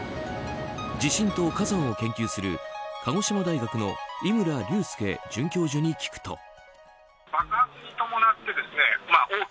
地震と火山を研究する鹿児島大学の井村隆介准教授に聞くと。